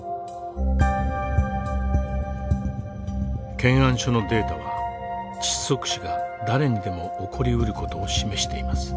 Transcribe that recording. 検案書のデータは窒息死が誰にでも起こりうる事を示しています。